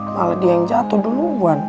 malah dia yang jatuh duluan